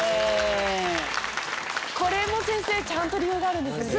これも先生ちゃんと理由があるんですよね？